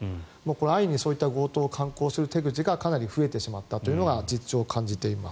安易に強盗を敢行する手口がかなり増えてしまったというのが実情で感じています。